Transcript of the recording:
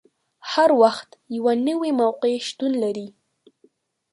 هر وخت یوه نوې موقع شتون لري.